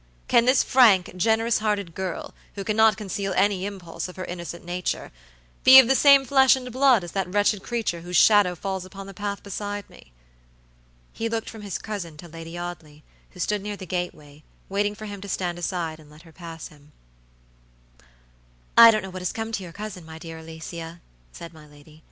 Can this frank, generous hearted girl, who cannot conceal any impulse of her innocent nature, be of the same flesh and blood as that wretched creature whose shadow falls upon the path beside me!" He looked from his cousin to Lady Audley, who stood near the gateway, waiting for him to stand aside and let her pass him. "I don't know what has come to your cousin, my dear Alicia," said my lady.